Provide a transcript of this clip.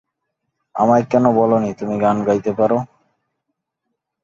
আমায় কেন বলোনি তুমি গাইতে পারো?